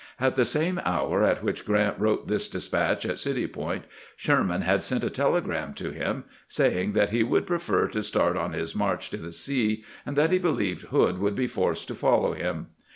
At the same hour at which Grant wrote this despatch at City Point, Sherman had sent a telegram to him, saying that he would prefer to start on his march to the sea, and that he believed Hood would be forced to follow him.